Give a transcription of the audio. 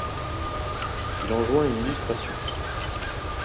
Il en joint une illustration.